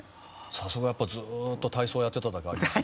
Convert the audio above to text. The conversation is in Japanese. さすがやっぱりずっと体操やってただけありますね。